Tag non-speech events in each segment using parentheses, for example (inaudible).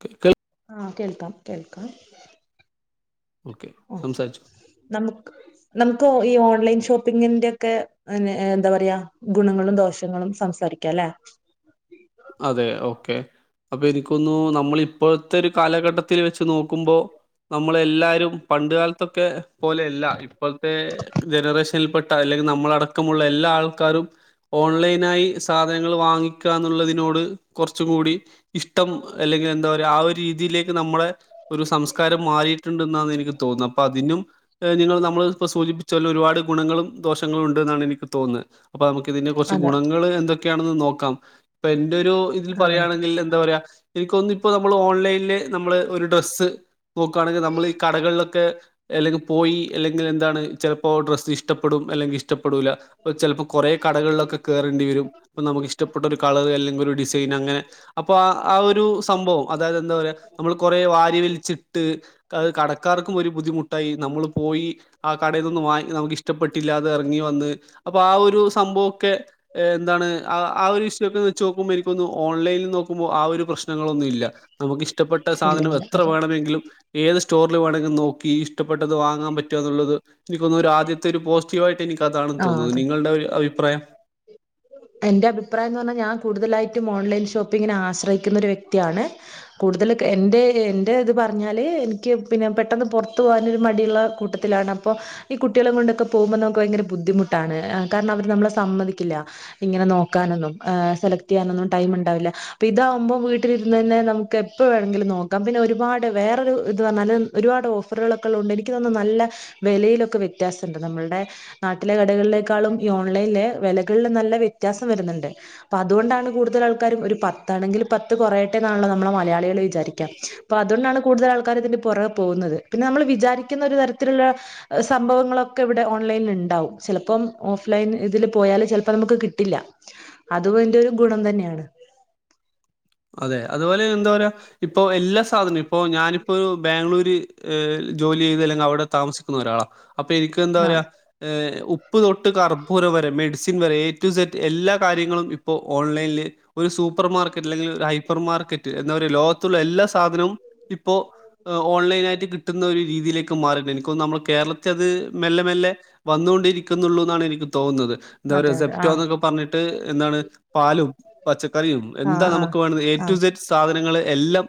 ക് കേൾ ആഹ് കേൾക്കാം കേൾക്കാം ഓക്കെ ആഹ് സംസാരിച്ചു നമുക്ക് നമുക്ക് ഈ ഓൺലൈൻ ഷോപ്പിങ്ങിന്റെ ഒക്കെ എന്താ പറയാ ഗുണങ്ങളും ദോഷങ്ങളും സംസാരി രിക്കല്ലേ അതെ ഓക്കെ അപ്പൊ എനിക്കൊന്നു നമ്മള് ഇപ്പോഴത്തെ ഒരു കാലഘട്ടത്തിൽ വെച്ച് നോക്കുമ്പോ നമ്മള എല്ലാരും പണ്ട് കാലത്തൊക്കെ പോലെയല്ല ഇപ്പോഴത്തെ ജനറേഷനിൽ പെട്ട് ട്ട അല്ലെങ്കിൽ നമ്മളടക്കമുള്ള എല്ലാ ആൾക്കാരും ഓൺലൈനായി സാധനങ്ങൾ വാങ്ങിക്കുക എന്നുള്ള നോട് കുറച്ചും കൂടി ഇഷ്ടം അല്ലെങ്കിൽ എന്താ പറ ആ ഒരു രീതിയിലേക്ക് നമ്മളെ ഒരു സംസ് കാരം മാറിയിട്ടുണ്ടെന്നാണ് എനിക്ക് തോന്നുന്നത് അപ്പൊ അതിനും ഏഹ് നിങ്ങള് നമ്മള് ഇപ്പോ സൂചിപ്പിച്ചപോലെ ഒരുപാട് ഗുണങ്ങളും ദോഷങ്ങളും ഉണ്ട് എന്നാണ് എനിക്ക് തോന്നുന്നപ്പ്ളി. ത് അപ്പൊ നമുക്ക് ഇതിന്റെ കുറച്ച് അതെ ഗുണങ്ങൾ എന്തൊക്കെയാണെന്ന് നോക്കാം ഇ എന്റെ ഒരു ഇതിൽ അതെ അതെ പറയുകയാണെങ്കിൽ എന്താ പറയാ എനിക്കൊന്ന് ഇപ്പോ നമ്മള് ഓൺലൈനില് നമ്മള് ഒരു ഡ്രസ്സ് നോക്കുകയാണെങ്കിൽ നമ്മള് ഈ കടകളിലൊക്കെ അല്ലെങ്കി പോയി അല്ലെങ്കിൽ എന്താണ് ചിലപ്പോൾ ഡ്രസ്സ് ഇഷ്ടപ്പെടും അല്ലെങ്കിൽ ഷ് ഇഷ്ടപ്പെടൂല അപ്പ ചെലപ്പോ കുറേ കടകളിലൊക്കെ കേറേണ്ടി വരും അപ്പൊ നമുക്ക് ഇഷ്ടപ്പെട്ടൊര് കളർ അല്ലെങ്കിൽ ഒരു ഡിസൈൻ അങ്ങനെ അപ്പൊ ആ ആ ഒരു സംഭവം അതായത് എന്താ പറയാ നമ്മൾ കൊറെ വാരി വലിച്ചിട്ട് കടക്കാർക്കും ഒരു ബുദ്ധിമുട്ടായി നമ്മള് പോ പോയി ആ കടയിന്നൊന്നും വാങ് നമുക്ക് ഇഷ്ടപ്പെട്ടില്ലാതെ ഇറങ്ങി വന്ന് അപ്പൊ ആ ഒരു സംഭവൊക്കെ എന്താണ് ആ ആ ഒരു ഇഷ് ഒക്കെ വെച്ച് നോക്കുമ്പോ എനിക്കൊന്നു ഓൺലൈനിൽ നോക്കുമ്പോ ആ ഒരു പ്രശ്നങ്ങളൊന്നും ഇല്ല നമുക്ക് ഇഷ് ഇഷ്ടപ്പെട്ട ഇല്ല സാധനം ഇല്ല എത്ര അതെ വേണമെങ്കിലും ഏത് സ്റ്റോറില് വേണോങ്കി നോക്കി ഇഷ്ടപ്പെട്ടത് വാങ്ങാൻ പറ്റുക എന്നുള്ളത് എനിക്കൊന്നുന്നു ഒരു ആദ്യത്തെ ഒരു പോസിറ്റീവ് ആയിട്ട് എനിക്കതാണ് ആഹ് തോന്നുന്നത് അതെ നിങ്ങളുടെ ഒരു അഭിപ്രായം എന്റെ അഭിപ്രായം എന്ന് പറഞ്ഞാൽ ഞാൻ കൂടുതലായിട്ടും ഓൺലൈൻ ഷോപ്പിംഗിനെ ആശ്രയിക്കുന്ന ഒരു വ്യക്തിയാണ് കൂടു കൂടുതൽ എൻ്റെ എൻ്റെ ഇത് പറഞ്ഞാല് എനിക്ക് പിന്നെ പെട്ടെന്ന് പുറത്ത് പോകാനൊരു മടിയുള്ള കൂട്ടത്തിലാണ് അപ്പൊ ഈ കുട്ടികളെ കൊണ്ടൊക്കെ പോകുമ്പോ നമുക്ക് ഭയങ്കര ബുദ്ധിമുട്ടാണ് കണം അവര് നമ്മളെ സമ്മതിക്കില്ല ഇങ്ങനെ നോക്കാനൊന്നും ഏഹ് സെലക്ട് ചെയ്യാനൊന്നും ടൈം ഉണ്ടാവില്ല അപ്പൊ ഇതാവുമ്പോ വീട്ടിലിരുന്ന് തന്നെ നമുക്ക് എപ്പ് വേണെങ്കിലും നോക്കാം പിന്നെ ഒരുപാട് വേറൊരു ഇത് പറഞാല് ഒരുപാട് ഓഫറുകളൊക്കെ ഉള്ളകൊണ്ട് എനിക്ക് തോന്നുന്നു നല്ല വിലയിലൊക്കെ വ്യത്യാസംഉണ്ട് നമ്മളുടെ നാട്ടിലെ കടകളിലേക്കാളും ഈ ഓൺലൈനില് വിലകളില് നല്ല ത്യാസം വരുന്നുണ്ട് അപ്പൊ അതുകൊണ്ടാണ് കൂടുതൽ ആൾക്കാരും ഒരു പത്താണെങ്കിൽ പത്ത് കുറയട്ടെ എന്നാണോ നമ്മളെ മലയാളികള് വിചാരിക്കാം സംഭവങ്ങളൊക്കെ ഇവിടെ ഓൺലൈനിൽ ഉണ്ടാവും ചിലപ്പം ഓഫ് ലൈൻ ഇതിൽ പോയാല് ചിലപ്പോ നമുക്ക് ട്ടില്ല അതും അതിന്റെ ഒരു ഗുണം തന്നെയാണ് അതെ അതുപോലെ എന്താ പറയാ ഇപ്പൊ എല്ലാ സാധനവും ഇപ്പോ ഞാനിപ്പോ ബാംഗ്ലൂര് ജോലി ചെയ്ത് അല്ലെങ്കിൽ അവിടെ താമസിക്കുന്ന ഒരാളാണ് അപ്പൊ എനിക്ക് എന്താ ആ പറയാ എ ഉപ്പ് തൊട്ട് കർപ്പൂരം വരെ മെഡിസിന്‍ വേറെ എ ടു ഇസഡ് എല്ല കാര്യങ്ങളും ഇപ്പോള്‍ ഓൺലൈനില് ഒരു സു പ്പർ മാർക്കറ്റ് അല്ലെങ്കിൽ ഹൈപ്പർ മാർക്കറ്റ് എന്ന ലോകത്തുള്ള എല്ലാ സാധനവും ഇപ്പോ ഓൺലൈനായിട്ട് കിട്ടുന്ന ഒരു രീതിയിലേക്ക് മാറണ്ട് എനിക്ക് തോന്നുന്നു നമ്മുടെ കേരളത്തി അത് മെല്ലെ മെല്ലെ വന്ന് ണ്ടരിക്കുന്നുള്ളൂ എന്നാണ് എനിക്ക് തോന്നുന്നത് എന്താ പറയാ അതെ അതെ ആ സെപ്റ്റോ എന്നൊക്കെ പറഞ്ഞിട്ട് എന്താണ് പാലും പച്ചക്കറിയും ആ എന്താ ആ നമു ക്ക് വേണന്ന് എ ആ ടു ഇസഡ് സാധനങ്ങൾ എല്ലാം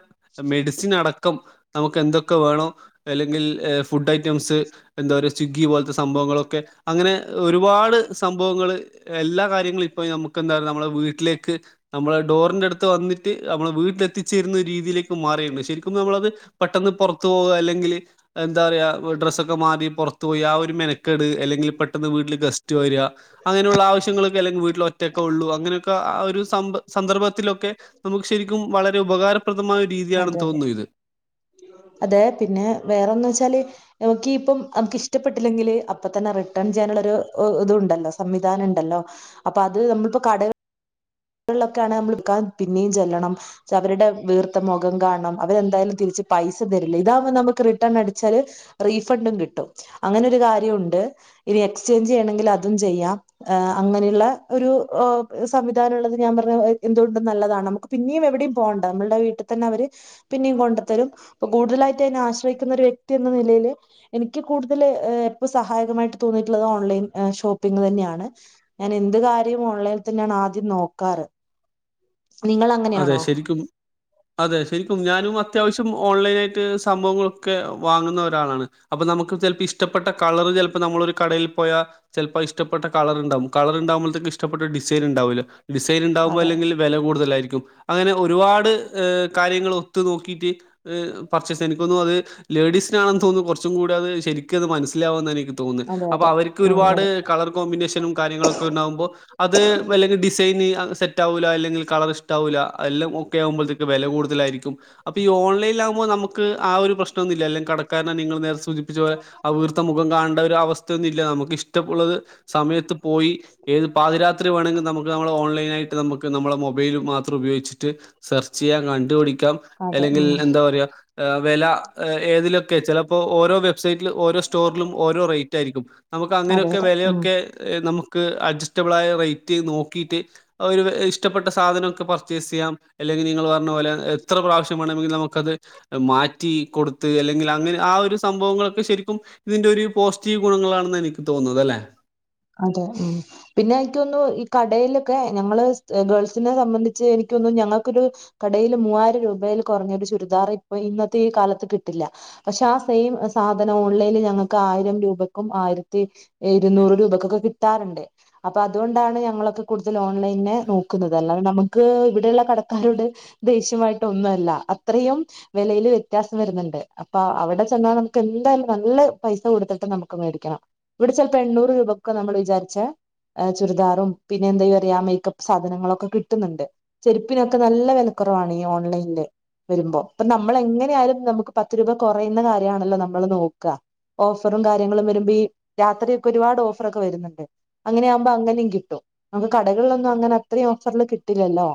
മെഡിസിൻ അടക്കം നമുക്ക് എന്തൊക്കെ വേണോ അല്ലെങ്കിൽ ഫുഡ് ഐറ്റംസ് എന്താ സ്വിഗ്ഗി പോലത്തെ സംഭവങ്ങളൊക്കെ അങ്ങനെ ഒരുപാട് സംഭവങ്ങള് എല്ലാ കാര്യങ്ങളും ഇപ്പോ ന ക്ക് എന്തലും നമ്മുടെ വീട്ടിലേക്ക് നമ്മള് ഡോറിന്റെ അടുത്ത് ത്ത് വന്നിട്ട് നമ്മള് വീട്ടിലെത്തിച്ചേരുന്ന രീതിയിലേക്ക് മാറിയണ്ട് ശരിക്കും നമ്മളത് പെട്ടെന്ന് പുറത്തു പോകുക അല്ലെങ്കിൽ എന്താ പറയാ ഡ്രസ്സൊക്കെ മാറി പുറത്തു പോയി ആ ഒരു മെന ക്കേട് അല്ലെങ്കിൽ പെട്ടെന്ന് വീട്ടിൽ ഗസ്റ്റ് വരിക അങ്ങനെയുള്ള ആവശ്യങ്ങളൊക്കെ അല്ലെങ്കിൽ വീട്ടിൽ ഒറ്റൊക്കെ ഉള്ളൂ അങ്ങനെയൊക്കെ ആ ഒരു സമ്പ സന്ദർഭത്തിലൊക്കെ നമുക്ക് ശരിക്കും വളരെ ഉപകാരം അതെ അതെ അതെ പിന്നെ വേറെന്ന് വെച്ചാല് നമുക്കിപ്പം നമുക്ക് ഇഷ്ടപ്പെട്ടില്ലെങ്കില് അപ്പ തന്നെ റിട്ടേൺ ചെയ്യാനുള്ളരു ഇത്ണ്ടല്ലോ സംവിധാനം ഉണ്ടല്ലോ അപ്പൊ അത് നമ്മളിപ്പോ കട ളിലൊക്കെ ആണെ നമ്മാൻ വിക്കാൻ പിന്നെയും ചെല്ലണം അവരുടെ വീർത്ത മുഖം കാണണം അവരെന്തായാലും തിരിച്ച് പൈസ തരില്ല ഇതാവകുമ്പോ നമുക്ക് റിട്ടേൺ അടിച്ചാല് റീഫണ്ടും കിട്ടും അങ്ങനെ ഒരു കാര്യംഉണ്ട് ഇനി എക്സ്ചേഞ്ച് ചെയ്യണെങ്കിൽ അതും ചെയ്യാം അങ്ങനെയുള്ള ഒരു സമ്മി എനിക്കങ്ങനുള്ളത് ഞാൻ പറഞ്ഞ എന്തുകൊണ്ട് നല്ലതാണ് നമുക്ക് പിന്നെയും എവിടെയും പോകേണ്ട നമ്മുടെ വീട്ടിൽ തന്നെ അവര് പിന്നെയും കൊ ണ്ടത്തരും ‌ കുടുതലായിട്ടതിനാശ്രയിക്കുന്ന വ്യക്തി എന്നനിലേല് എനിക്ക് കൂടുതല് ഇപ്പ സഹ ഹായമായി തോന്നിയിട്ട്ള്ളത് ഓൻലൈൻ ഷോപ്പിങ് തന്നെയാണ് ഞാൻ എന്ത് കാര്യം ഓൺലൈനിൽ തന്നെയാണ് ആദ്യം ദ്യം നോക്കാറ് നിങ്ങൾ അതെ അങ്ങനെയാണോ ശെരിക്കും അതെ ശെരിക്കും ഞാൻ അത്യാവശ്യം ഓൺലൈനായിട്ട് സംഭവങ്ങളൊക്കെ വാങ്ങുന്ന ഒരാളാണ് അപ്പ നമുക്ക് ചെല ഇഷ്ടപ്പെട്ട ക കളർ ചെലപ്പോ നമ്മളൊ ഒരു കടയിൽ പോയാ ചെലപ്പോ ഇഷ്ടപ്പെട്ട കളർണ്ടാവും കളർ ണ്ടാവുമ്പോഴത്തേക്ക് ഇഷ്ടപ്പെട്ട ഡിസൈൻ ണ്ടാവൂല്ല ഡിസൈൻ ഉണ്ടാവുമ്പോ അതെ അല്ലെങ്കിൽ വെല കൂടുതലായിരിക്കും അങ്ങനെ ഒരുപാട് കാര്യങ്ങൾ ഒത്തു നോക്കിട്ട് പർച്ചേസ് എനിക്കോന്നു അത് ലേ ലേഡീസിനാണെന്ന് തോന്നുന്നു കൊറച്ചും കൂടെ അത് ശരിക്കും അത് മനസ്സിലാവുന്ന എനി തോന്നെ അതെ അപ്പ അതെ അവർക്ക് ഉം ഒരുപാട് അതെ കളർ കോമ്പിനേഷനും കാര്യങ്ങളൊക്കെ ണ്ടാകുമ്പോ അത് അല്ലെങ്കിൽ ഡിസൈൻ പിന്നി അത് സെറ്റാവൂല അല്ലെങ്കിൽ കളർ ഇഷ്ടാവൂല്ല എല്ലാം ഒക്കെ ആകുമ്പോഴത്തേക്ക് വെല കൂടുതലായിരിക്കും അപ്പ ഈ ഓൺലൈനിൽലാകുമ്പോ നമുക്ക് ആ ഒരു പ്രശ്നം ന്നില്ല അല്ലെങ്കി കടക്കാരനെ നിങ്ങൾ നേരെ സൂചിപ്പിച്ച പോലെ ആ വീർത്ത മുഖം കാ ണ്ട ഒരവസ്ഥയൊന്നും ഇല്ല നമുക്ക് ഇഷ്ടമുള്ളത് സമയത്ത് പോയി ഏത് പാതിരാത്രി വേണെങ്കിലും നമുക്ക് നമ്മള് ഓൺലൈനായി ട്ട് നമുക്ക് നമ്മളെ മൊബൈൽ മാത്രം ഉപയോഗിച്ചിട്ട് സെർച്ച് ചെയ്യാം കണ്ടുപിടിക്കാം അതെ അല്ലെങ്കിൽ ഉം എന്താ പറയാ വെല ഏതിലൊക്കെ ചെല ഇപ്പോ ഓരോ വെബ് സൈറ്റിൽ ഓരോ സ്റ്റോറിലും ഓരോ റേറ്റ് ആയിരിക്കും നമുക്ക് അതെ അങ്ങനെയൊക്കെ അതെ ഉം വെലയൊക്കെ നമു ക്ക് അഡ്ജസ്റ്റബിൾ ആയ റേറ്റ് നോക്കിയിട്ട് ഒരു ഇഷ്ടപ്പെട്ട സാധനൊക്കെ പർ പർച്ചെസ് ചെയ്യം അല്ലെങ്കിൽ നിങ്ങൾ പറഞ്ഞ പോലെ എത്ര പ്രാവശ്യമാണങ്കിൽ നമുക്കത് മാറ്റി കൊടുത്ത് ല്ലെങ്കിൽ അങ്ങനെ ആ ഒരു സംഭവങ്ങളൊക്കെ ശരിക്കും ഇതിന്റെ ഒരു പോസിറ്റീവ് ഗുണങ്ങളാണെന്ന് എനിക്ക് തോന്നുന്നത് അല്ലെ അതെ പിന്നെ എനിക്കൊന്നു ഈ കടയിലൊക്കെ ഞങ്ങള് ഗേൾസിനെ സംബന്ധിച്ച് എനി ക്കോന്നു ഞങ്ങൾക്കൊരു കടേല് മൂവായിരം രൂപയിൽ കുറഞ്ഞ ഒരു ചുരിദാർ ഇപ്പൊ ഇന്നത്തെ ഈ കാലത്ത് കിട്ടില്ല പക്ഷെ ആ സെയിം സാധനം ഓൺലൈനിൽ ഞങ്ങൾക്ക് ആയിരം രൂപയ്ക്കും ആയിരത്തി ഇരുന്നൂറ് രൂപ ക്കൊക്കെ കിട്ടാറുണ്ട് അപ്പൊ അതുകൊണ്ടാണ് ഞങ്ങളൊക്കെ കൂടുതൽ ഓൺലൈനെ നോക്കുന്നത് അല്ലാതെ നമുക്ക് ഇവ് ടെള്ള കടക്കാരോട് ദേഷ്യമായിട്ടോ ഒന്നല്ല അത്രെയും വെലയില് വ്യത്യാസം വരുന്നുണ്ട് ആ അവിടെ ചെന്നാൽ നമുക്ക് എന്തായാലും നല്ല പൈസ കൊടുത്തിട്ട് നമുക്ക് മേടിക്കണം ഇവിടെ ചെലപ്പോ എണ്ണൂറ് രൂപ ക്കെ നമ്മള് വിചാരിച്ചെ ചുരിദാറും പിന്നെ എന്താ പറയാ മേക്കപ്പ് സാധനങ്ങളൊക്കെ കിട്ട്ന്ന്ണ്ട് ചെരുപ്പിനൊക്കെ നല്ല വെല കുറവാണീ ഓൺലൈനില് വരുമ്പോ ഇപ്പ നമ്മൾ എങ്ങനായാലും നമുക്ക് പത്ത് രൂപ കൊറയുന്ന കാര്യാണല്ലോ നമ്മള് നോക്ക ഓഫറും കാര്യങ്ങളും വരുമ്പോ ഈ രാത്രിയൊക്കെ ഒരുപാട് ഓഫ റൊക്കെ വരുന്നുണ്ട് അങ്ങനെയാവുമ്പോ അങ്ങനെയും കിട്ടും നമുക്ക് കടകളിലൊന്നും അങ്ങനെ അത്രയും ഓഫറിൽ കിട്ടില്ലല്ലോ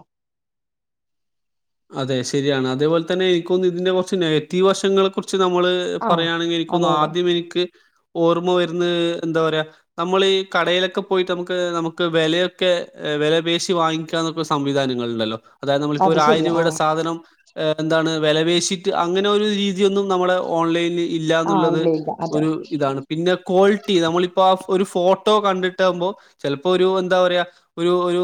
അതെ ശെരിയാണ് അതേപോലെ തന്നെ എനിക്കോന്ന് ഇതിന്റെ കുറച്ച് നെഗറ്റീവ് വശങ്ങളെ കുറിച്ച് ച്ച് നമ്മള് ആ പറയാണെങ്കിൽ എനിക്കോന്ന് അതെ അതെ ആദ്യം എനിക്ക് ഓർമ്മ വരുന്ന് എന്താ പറയാ നമ്മളീ കടയിലൊക്കെ പോയിട്ട് നമുക്ക് നമുക്ക് വെലയൊക്കെ വെലപേശി വാങ്ങിക്കാനൊക്കെ സംവിധാനങ്ങൾ ണ്ടല്ലോ അതായത് നമ്മളിപ്പോ അത് ഒരു ആയിരം ശരിയാ ആ രൂപയുടെ സാധനം എന്താണ് വെല പേശിട്ട് അങ്ങനെ ഒരു രീതിയൊന്നും നമ്മുടെ ഓൺലൈനിൽ ആ ഇല്ലന്നുള്ളത് ഇല്ല ഇല്ല അതെ ഒരു ഇതാണ് പിന്നെ ക്വാളിറ്റി നമ്മളിപ്പോ ആ ഒരു ഫോട്ടോ കണ്ടിട്ടാകുമ്പോ ചെലപ്പോ ഒരു എന്താ പറയ ഒരു ഒരു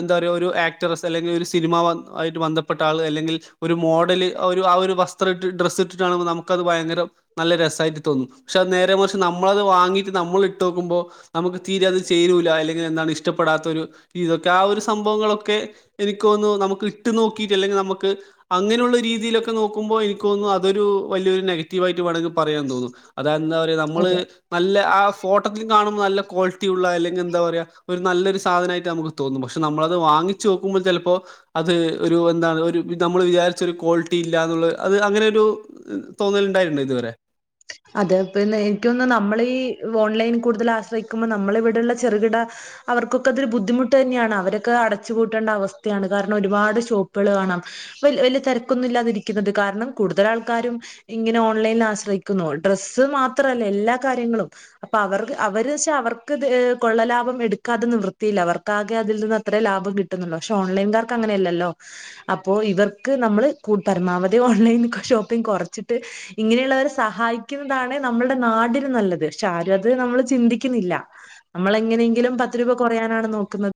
എന്താ പറയ ഒരു ആക്ടർ (unintelligible) ഒരു സിനിമ ആയിട്ട് ബന്ധ പ്പെട്ട ആൾ അല്ലെങ്കിൽ ഒരു മോഡല് ആ ഒരു വസ്ത്ര ഡ്ര ഇട്ടിട്ടാണ നമുക്കത് ഭയങ്കര നല്ല രസായിട്ട് തോന്നും പക്ഷേ അത് നേരെ മറിച്ച് നമ്മളത് വാങ്ങീട്ട് നമ്മൾ ഇട്ട് നോക്കുമ്പോ നമുക്ക് തീരെ അത് ചേരൂല ല്ലെങ്കിൽ എന്താണ് ഇഷ്ടപ്പെടാത്ത ഒരു ഇതൊക്കെ ആ ഒരു സംഭവങ്ങളൊക്കെ എനിക്കോന്നു നമുക്ക് ഇട്ട് നോക്കി ട്ട് അല്ലെങ്കി നമുക്ക് അങ്ങനെയുള്ള രീതിയിലൊക്കെ നോക്കി ക്കുമ്പോ എനിക്ക് തോന്നുന്നു അതൊരു വല്യൊരു നെഗറ്റീവായിട്ട് വേണമെങ്കിൽ പറയാം തോന്നുന്നു അതന്താ പറയ നമ്മള് അതെ നല്ല ആ ഫോട്ടത്തിൽ കാണു നല്ല ക്വാളിറ്റിയുള്ള അല്ലെങ്കിൽ എന്താ പറയാ ഒരു നല്ലൊരു സാധനായിട്ട് നമുക്ക് തോന്നും പക്ഷേ നമ്മളത് വാങ്ങിച്ചു നോക്കുമ്പോ പ്പോ അത് ഒരു എന്താണ് ഒരു നമ്മൾ വിചാരിച്ചരു ക്വാളിറ്റി ഇല്ല എന്നുള്ള അത് അങ്ങനൊരു തോന്നലുണ്ടായിട്ടണ്ട് ഇത് രെ അതെ പിന്നെ എനക്കോന്ന് നമ്മളീ ഓൺലൈൻ കൂടുതൽ ആശ്രയിക്കുമ്പോൾ നമ്മളിവിടുള്ള ചെറുകിട അവർക്കൊക്കെ അതൊരു ബുദ്ധിമുട്ട് തന്നെയാണ് അവരൊക്കെ അടച്ചുപൂട്ടേണ്ട അവസ്ഥയാണ് കാരണം ഒരുപാട് ഷോപ്പുകൾ കാണാം വലിയ തിരക്കൊന്നും ഇല്ലാതിരിക്കുന്നത് കാരണം കൂടുതൽ ആൾക്കാരും ഇങ്ങനെ ഓൺലൈനിൽ ആശ്ര ക്കുന്നു ഡ്രസ്സ് മാത്രല്ല എല്ലാ കാര്യങ്ങളും അപ്പൊ അവർക്ക് അവര് വെച്ചാ അവർക്ക് കൊള്ളലാ ഭം എടുക്കാതെ നിവൃത്തിയില്ല അവർക്കാകെ അതിൽ നിന്ന് അത്രേ ലാഭം കിട്ടുന്നുല്ലോ പക്ഷെ ഓൺലൈൻകാർക്ക് അങ്ങനെയല്ലല്ലോ അപ്പോൾ ഇവർക്ക് നമ്മള് പരമാവധി ഓൺലൈൻ ഷോപ്പിംഗ് കുറച്ചിട്ട് ഇങ്ങനെയുള്ളവർ സഹായിക്കുന്നതാണ് നമ്മുടെ നാടിന് നല്ലത് പക്ഷെ ആരും അത് നമ്മള് ചിന്തിക്കുന്നില്ല നമ്മളെങ്ങനെ ങ്കിലും പത്ത് രൂപ കുറയാനാണ് നോക്കുന്നത്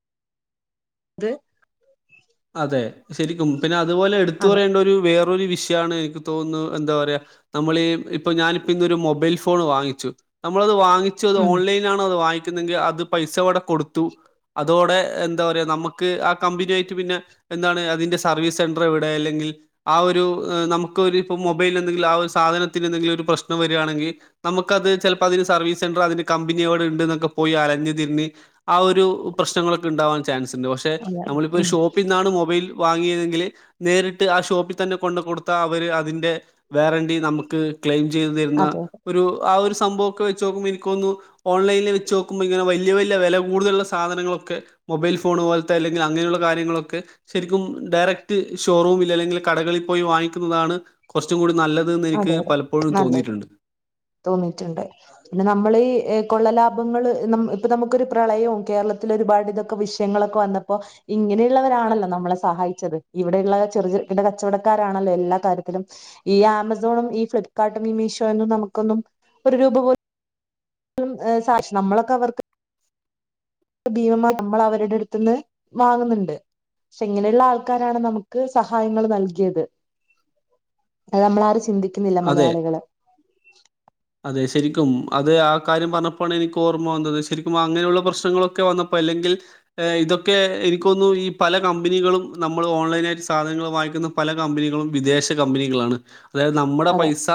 (unintelligible) അതെ ശരിക്കും പിന്നെ അതുപോലെ എടുത്തു അതെ പറയേണ്ട ഒരു വേറൊരു വിഷ യാണ് എനിക്ക് തോന്നു എന്താ പറയാ നമ്മളീ ഇപ്പൊ ഞാനിപ്പൊന്നൊരു മൊബൈൽ ഫോൺ വാങ്ങിച്ചു നമ്മളത് ച്ചത് ഉം ഓൺലൈൻ ആണ് അത് വാങ്ങിക്കുന്നെങ്കി അത് പൈസവടെ കൊടുത്തു അതോടെ എന്താ പറയുക നമ്മുക്ക് ആ കമ്പനി ആയിട്ട് പിന്നെ എന്താണ് അതിന്റെ സർവീസ് സെന്റർ എവിടെ അല്ലെങ്കിൽ ആ ഒരു നമുക്ക് മൊബൈൽ എന്തെങ്കിലും ആ സാധനത്തിന് എന്തെങ്കിലും ഒരു പ്രശ്നം വരാണെങ്കി നമുക്കത് ചെലപ്പതിന് സർവീസ് സെന്റർ അതിന് കമ്പനിയോട് ഉണ്ട്ന്നൊക്കെ പോയി അലഞ്ഞ് തിരിഞ്ഞ് ആ ഒരു പ്രശ്നങ്ങളൊക്കെ ഉണ്ടാവാൻ ചാൻസ് ഉണ്ട് പക്ഷെ അതെ നമ്മളിപ്പോരു ഉം ഷോപ്പ മൊബൈൽ വാങ്ങിയതെങ്കിൽ നേരിട്ട് ആ ഷോപ്പിൽ തന്നെ കൊണ്ട കൊടുത്ത അവര് അതിന്റെ വേറണ്ടി നമുക്ക് ക്ലെയിം ചെയ്തു തരുന്ന അതെ അതെ ഒരു ആ ഒരു സംഭവം ഒക്കെ വെച്ച് നോക്കുമ്പോ എനിക്കൊന്നു ഓൺലൈൻല് വച്ച് നോക്കുമ്പോ ഇങ്ങനെ വല്യ വ ല്ല വില കൂടുതലുള്ള സാധനങ്ങളൊക്കെ മൊബൈൽ ഫോൺ പോലത്തെ അല്ലെങ്കിൽ അങ്ങനെയുള്ള കാര്യങ്ങളൊക്കെ ശരിക്കും ഡയറക്റ്റ് ഷോറൂമിൽ അല്ലെങ്കിൽ കടകളിൽ പോയി വാങ്ങിക്കുന്നതാണ് കുറച്ചും കൂടി നല്ലത് എന്ന് എനിക്ക് അതെ അതെ പലപ്പോഴും നല്ലത് തോന്നിയിട്ടുണ്ട് തോന്നിട്ടുണ്ട് പിന്നെ നമ്മൾീ കൊള്ളല ഇ നമുക്കൊരു പ്രളയവും കേരളത്തി ഒരുപാട് ഇതൊക്കെ വിഷയങ്ങളൊക്കെ വന്നപ്പോ ഇങ്ങനെയുള്ള ണല്ലോ നമ്മളെ സഹായിച്ചത് ഇവിടെയുള്ള ചെറ കച്ചവടക്കാരാണല്ലോ എല്ലാ കാര്യത്തിലും ഈ ോ ഈ ഫ്ലിപ്കാർട്ടും ഈ മീഷോയും നമുക്കൊന്നും ഒരു രൂപ പോ (inaudible) സാക്ഷ നമ്മളൊക്കെ അവർക്ക് ഭീമ നമ്മള് അവരുടെ അടുത്തുന്ന് വാങ്ങുന്നുണ്ട് ക്ഷെ ഇങ്ങനെയുള്ള ആൾക്കാരാണ് നമുക്ക് സഹായങ്ങൾ നൽകിയത് അത് നമ്മളാരും ചിന്തിക്കുന്നില്ല അതെ മലയാളികള് അതെ ശരിക്കും അത് ആ കാര്യം പറഞ്ഞപ്പോണ് എനിക്ക് ഓർമ്മ വന്നത് ശരിക്കും അങ്ങനെയുള്ള പ്രശ്നങ്ങളൊക്കെ വന്നപ്പോ അല്ലെങ്കിൽ ഇതൊക്കെ എനിക്കൊന്നു ഈ പല കമ്പനികളും നമ്മൾ ഓൺലൈയിന സാധനങ്ങൾ വ പല കമ്പനികളും വിദേശ കമ്പനികളാണ് അതായത് നമ്മുടെ അതെ പൈസ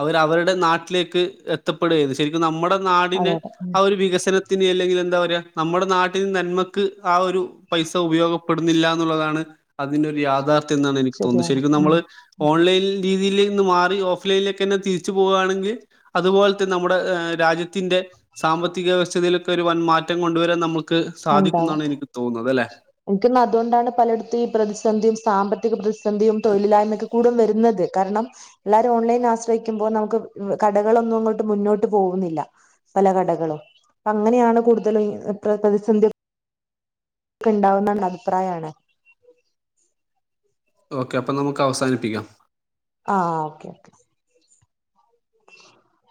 അവര് അവരുടെ നാട്ടിലേക്ക് എത്തപ്പെടുകയായിരുന്നു ശരിക്കും നമ്മടെ നാടിന് അതെ അതെ ഉം ആ ഒരു വികസനത്തിന് അല്ലെങ്കിൽ എന്താ (inaudible) നമ്മുടെ നാട്ടിൽ നന്മക്ക് ആ ഒരു പൈസ ഉപയോഗപ്പെടുന്നില്ല എന്നുള്ളതാണ് അതിന്റെ ഒരു യാഥാർത്ഥ്യം എന്നാണ് എനിക്ക് തോന്നുന്നത് ശരിയാണ് ശരിക്കും ഉം നമ്മള് അതെ ഓൺലൈൻ രീതിയിൽ നിന്ന് മാറി ഓഫ്ലൈ നിലൊക്കെെ (inaudible) അതുപോലെത്തെ നമ്മുടെ രാജ്യത്തിന്റെ സാമ്പത്തിക വ്യവസ്ഥതയിലൊക്കെ ഒരു വൻ മാറ്റം (unintelligible) കൊണ്ടുവരാൻ സാധിക്കും ന്നാണ് എനിക് തോന്നുന്നത് എനിക്കന്നാ അതുകൊണ്ടാണ് പലയിടത്തും ഈ പ്രതിസന്ധിയും സാമ്പത്തിക പ്ര ന്ധിയും തൊഴിലായ്മൊക്കെ കൂടെ വരുന്നത് കാരണം എല്ലാരും ഓൺലൈൻ ആശ്രയിക്കുമ്പോ നമുക്ക്‌ കടകളൊന്നും അങ്ങോട്ട് മുന്നോട്ട് പോകുന്നില്ല പല കടകളും അപ്പ അങ്ങനെയാണ് കൂടുതലും (unintelligible) പ്രതിസന്ധി ക്ക ഇണ്ടാവുന്നുള്ള അഭിപ്രായാണ് ഓക്കെ അപ്പൊ നമുക്ക് അവസാനിപ്പിക്കാം ആഹ ഓക്കേ ഓക്കേ (inaudible)